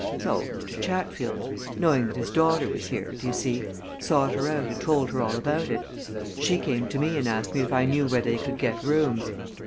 So Mr. Chatfield, knowing that his daughter was here, do you see, sought her out and told her all about it. She came to me and asked me if I knew where they could get rooms.